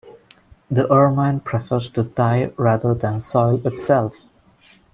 The ermine prefers to die rather than soil itself.